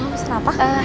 apa masalah pak